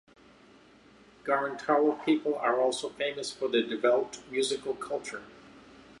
Gorontalo people are also famous for their developed musical culture.